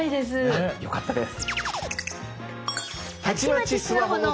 あっよかったです。